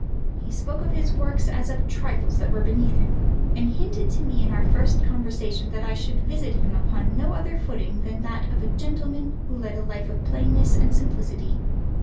He spoke of his works as of trifles that were beneath him, and hinted to me in our first conversation that I should visit him upon no other footing than that of a gentleman who led a life of plainness and simplicity.